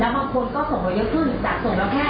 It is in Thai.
แล้วบางคนก็ส่งโดยเยอะขึ้นจากส่งแล้วแพทย์